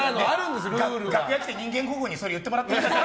楽屋に来て人間国宝にそれ言ってもらっていいですか？